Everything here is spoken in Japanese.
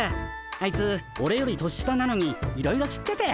あいつオレより年下なのにいろいろ知ってて。